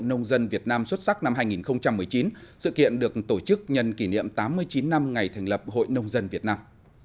nông dân việt nam xuất sắc năm hai nghìn một mươi chín sự kiện được tổ chức nhân kỷ niệm tám mươi chín năm ngày thành lập hội nông dân việt nam